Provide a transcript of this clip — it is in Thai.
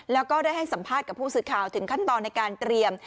แล้วก็ได้ให้สัมภาษณ์กับผู้สื่อข่าวถึงขั้นตอนในการเตรียม